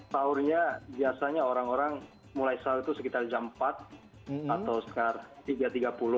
sahurnya biasanya orang orang mulai sahur itu sekitar jam empat atau sekitar tiga tiga puluh